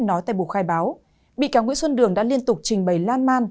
nói tại bộ khai báo bị cáo nguyễn xuân đường đã liên tục trình bày lan man